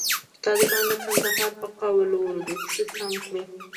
خو طالبانو د کندهار په قول اردو کښې تم کړو.